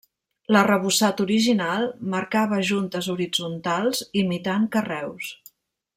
L'arrebossat original marcava juntes horitzontals imitant carreus.